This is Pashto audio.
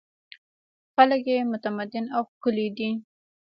خلک یې متمدن او ښکلي دي.